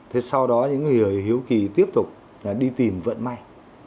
thế sau đó những người hiếu kỳ tiếp tục đi tìm vận may